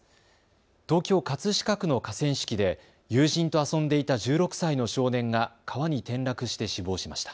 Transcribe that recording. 東京葛飾区の河川敷で友人と遊んでいた１６歳の少年が川に転落して死亡しました。